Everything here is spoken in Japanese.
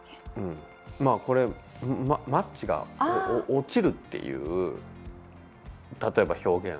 マッチが落ちるっていう例えば、表現。